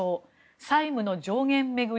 債務の上限巡り